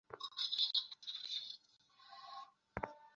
ভরাপালের নৌকা চড়ার ঠেকিয়া গেল–মহেন্দ্র স্তম্ভিত হইয়া দাঁড়াইল।